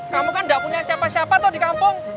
kamu kan gak punya siapa siapa tuh di kampung